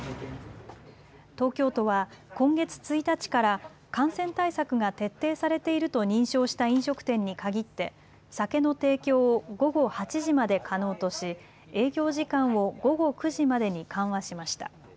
東京都は今月１日から感染対策が徹底されていると認証した飲食店に限って酒の提供を午後８時まで可能とし営業時間を午後９時までに緩和しました。